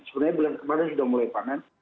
sebenarnya bulan kemarin sudah mulai panen